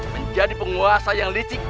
menjadi penguasa yang licik